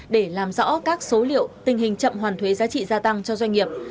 để làm rõ các số liệu tình hình chậm hoàn thuế giá trị gia tăng cho doanh nghiệp